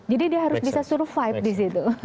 jadi dia harus bisa survive disitu